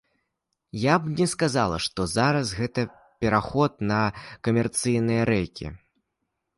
Я б не сказала, што зараз гэта пераход на камерцыйныя рэйкі.